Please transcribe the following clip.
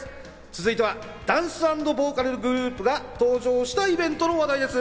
続いてはダンス＆ボーカルグループが登場したイベントの話題です。